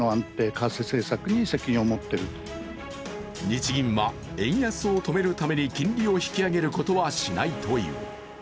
日銀は、円安を止めるために金利を引き上げることはしないという。